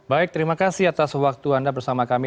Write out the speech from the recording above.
baik terima kasih atas waktu anda bersama kami